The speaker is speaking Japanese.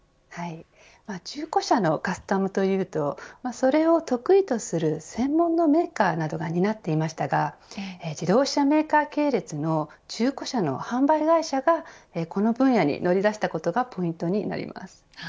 中古車のカスタムというとそれを得意とする専門のメーカーなどが担っていましたが自動車メーカー系列の中古車の販売会社がこの分野に乗り出したことがポイントになります。